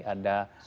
ada putri demes